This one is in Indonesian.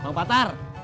aku mau ke kantor